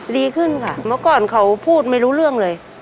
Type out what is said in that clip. ดีขึ้นค่ะเมื่อก่อนเขาพูดไม่รู้เรื่องเลย